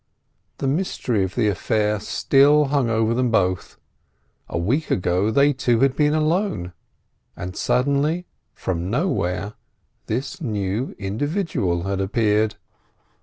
The mystery of the affair still hung over them both. A week ago they two had been alone, and suddenly from nowhere this new individual had appeared.